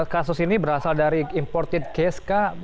kasus ini berasal dari imported case kah